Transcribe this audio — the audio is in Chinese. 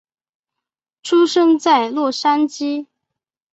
出生在洛杉矶。